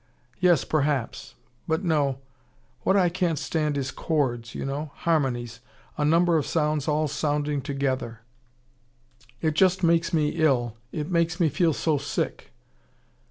"Yes, perhaps. But no. What I can't stand is chords, you know: harmonies. A number of sounds all sounding together. It just makes me ill. It makes me feel so sick."